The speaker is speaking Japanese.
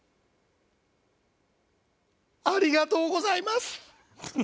ありがとうございます！